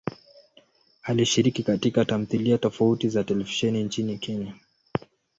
Alishiriki katika tamthilia tofauti za televisheni nchini Kenya.